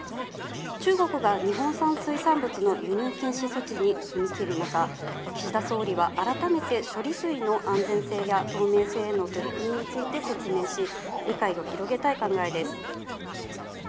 中国が日本産水産物の輸入禁止措置に踏み切る中、岸田総理は改めて処理水の安全性や透明性への取り組みについて説明し、理解を広げたい考えです。